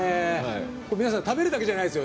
皆さん、食べるだけじゃないですよ。